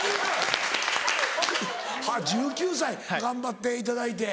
はぁ１９歳頑張っていただいて。